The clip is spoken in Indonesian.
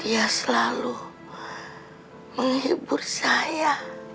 dia selalu menghibur saya